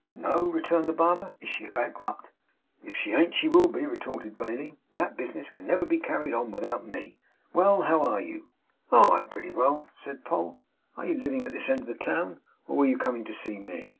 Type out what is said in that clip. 'No,' returned the barber. 'Is she a bankrupt?' 'If she ain't, she will be,' retorted Bailey. 'That bis'ness never can be carried on without ME. Well! How are you?' 'Oh! I'm pretty well,' said Poll. 'Are you living at this end of the town, or were you coming to see me?